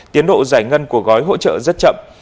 tiến độ giải ngân của gói hỗ trợ rất chậm